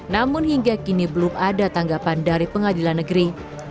namun hingga kini belum ada tanggapan dari pengadilan negeri